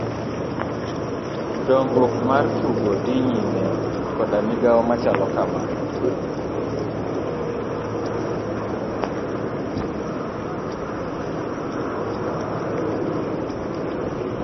Dong'ruok mar tugo dhi nyime koda migao machalo kama.